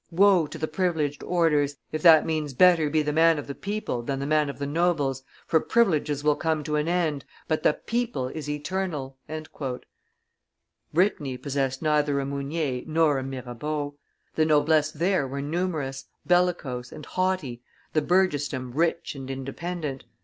Woe to the privileged orders, if that means better be the man of the people than the man of the nobles, for privileges will come to an end, but the people is eternal!" Brittany possessed neither a Mounier nor a Mirabeau; the noblesse there were numerous, bellicose, and haughty, the burgessdom rich and independent.